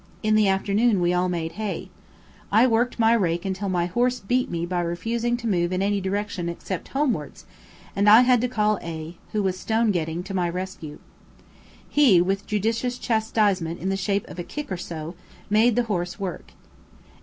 In the afternoon we all made hay. I worked my rake until my horse beat me by refusing to move in any direction excepting homewards; and I had to call A , who was stone getting, to my rescue. He, with judicious chastisement in the shape of a kick or so, made the horse work.